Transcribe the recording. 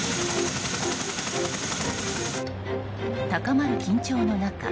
高まる緊張の中